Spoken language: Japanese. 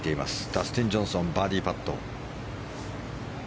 ダスティン・ジョンソンバーディーパット。